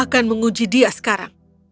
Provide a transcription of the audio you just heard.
akan menguji dia sekarang